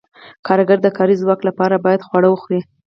کارګر د کاري ځواک لپاره باید خواړه وخوري.